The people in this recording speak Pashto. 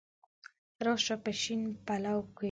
را شه په شین پلو کي